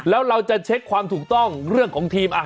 แล้วเราจะเช็คความถูกต้องเรื่องของทีม